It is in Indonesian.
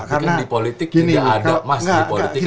mas di politik kan